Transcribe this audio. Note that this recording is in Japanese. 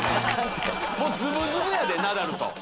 もうズブズブやでナダルと。